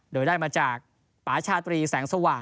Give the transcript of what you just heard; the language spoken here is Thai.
โดยได้มาจากป่าชาตรีแสงสว่าง